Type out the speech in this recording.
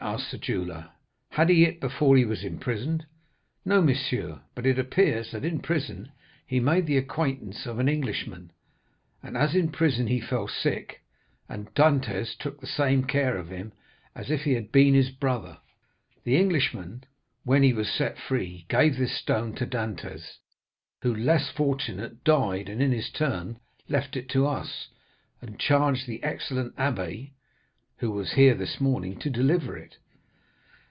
asked the jeweller; 'had he it before he was imprisoned?' "'No, monsieur; but it appears that in prison he made the acquaintance of a rich Englishman, and as in prison he fell sick, and Dantès took the same care of him as if he had been his brother, the Englishman, when he was set free, gave this stone to Dantès, who, less fortunate, died, and, in his turn, left it to us, and charged the excellent abbé, who was here this morning, to deliver it.